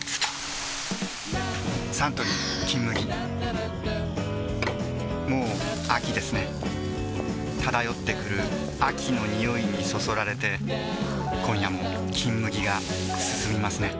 サントリー「金麦」もう秋ですね漂ってくる秋の匂いにそそられて今夜も「金麦」がすすみますね